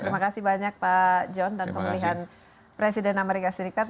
terima kasih banyak pak john dan pemilihan presiden amerika serikat